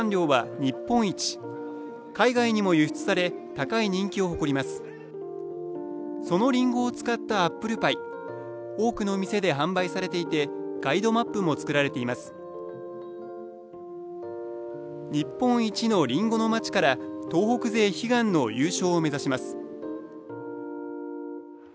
日本一のりんごの町から東北勢悲願の優勝を目指します。